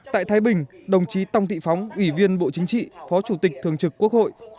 tại thái bình đồng chí tòng thị phóng ủy viên bộ chính trị phó chủ tịch thường trực quốc hội